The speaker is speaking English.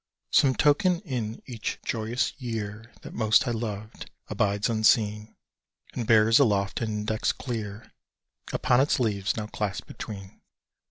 Some token in each joyous year That most I loved, abides unseen, And bears aloft an index clear Upon its leaves now clasped between.